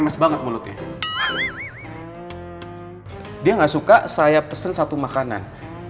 pesan banyak makanan